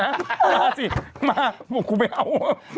าสิมายิ้มุมคู้ไปอ้าว